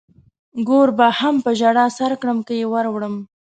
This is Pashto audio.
ګور به هم په ژړا سر کړم که يې ور وړم.